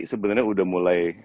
sebenernya udah mulai